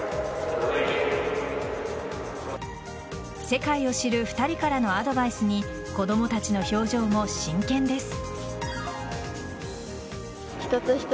世界を知る２人からのアドバイスに子供たちの表情も真剣です。